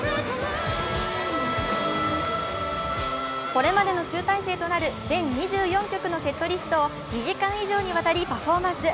これまでの集大成となる全２４曲のセットリストを２時間以上にわたりパフォーマンス。